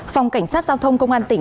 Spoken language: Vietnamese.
phòng cảnh sát giao thông công an tỉnh